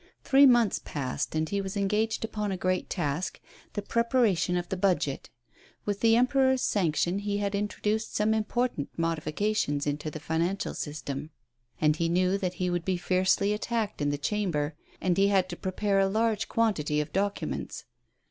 Three months passed, and he was engaged upon a great task — the preparation of the Budget. With the Em peror's sanction he had introduced some important mod ifications into the financial system. He knew that he would be fiercely attacked in the Chamber, and he had to prepare a large quantity of documents.